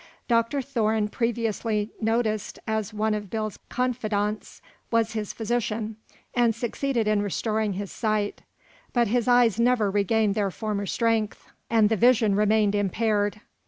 Dr. Thorne, previously noticed as one of Bill's confidants, was his physician, and succeeded in restoring his sight, but his eyes never regained their former strength, and the vision remained impaired.